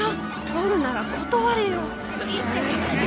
撮るなら断れよ！